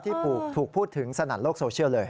ที่ถูกพูดถึงสนั่นโลกโซเชียลเลย